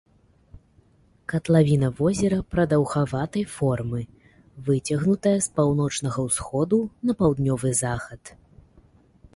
Катлавіна возера прадаўгаватай формы, выцягнутая з паўночнага ўсходу на паўднёвы захад.